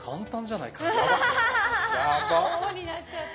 王になっちゃった。